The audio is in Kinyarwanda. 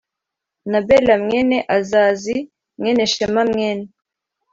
na bela mwene azazi mwene shema mwene